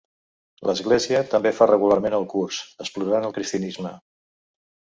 L'església també fa regularment el curs Explorant el cristianisme.